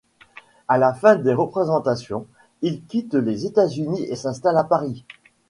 À la fin des représentations, il quitte les États-Unis et s'installe à Paris.